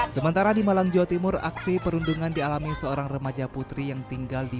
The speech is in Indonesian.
sementara di malang jawa timur aksi perundungan dialami seorang remaja putri yang tinggal di